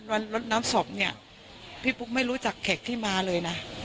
รถน้ำศพเนี่ยพี่ปุ๊กไม่รู้จักแขกที่มาเลยนะ